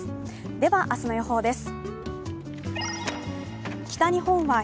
では、明日の予報です。